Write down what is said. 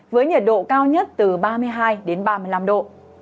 với nhiệt độ cao nhất từ ba mươi hai ba mươi năm độ